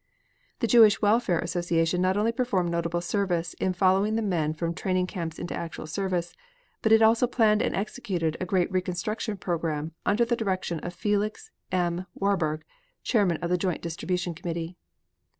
The Jewish Welfare Association not only performed notable service in following the men from training camps into actual service, but it also planned and executed a great reconstruction program under the direction of Felix M. Warburg, chairman of the Joint Distribution Committee.